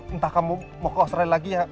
entah kamu mau ke australia lagi ya